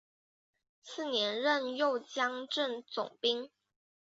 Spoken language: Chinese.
次年任右江镇总兵。